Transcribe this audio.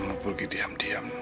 sama sama pergi diam diam